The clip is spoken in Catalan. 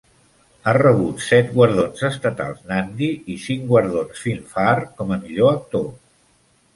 Ha rebut set guardons estatals Nandi i cinc guardons Filmfare com a millor actor.